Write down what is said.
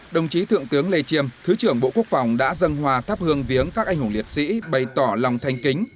đồng chí thượng tướng lê chiêm thứ trưởng bộ quốc phòng đã dân hòa thắp hương viếng các anh hùng liệt sĩ bày tỏ lòng thanh kính